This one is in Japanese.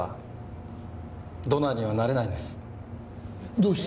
どうして？